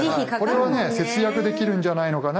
これはね節約できるんじゃないのかなと。